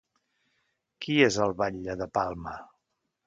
Qui és el batlle de Palma?